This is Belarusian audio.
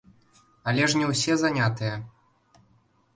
Але ж не ўсе занятыя.